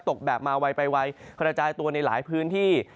ตกแบบมาไวไปไวกระจายตัวในหลายพื้นที่